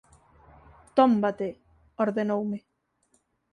Tómbate –ordenoume.